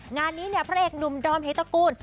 งานนี้เนี่ยพระเอกหนุ่มดอมเฮตกูล